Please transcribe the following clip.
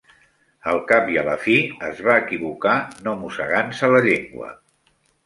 Al cap i a la fi, es va equivocar no mossegant-se la llengua.